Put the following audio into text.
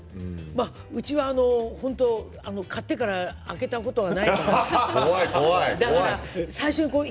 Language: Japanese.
うちは買ってから開けたことがないから。